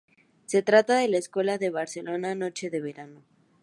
Se trata de la secuela de "Barcelona, noche de verano".